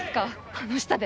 あの下で？